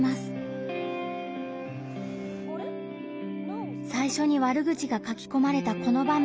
いわゆる最初に悪口が書きこまれたこの場面。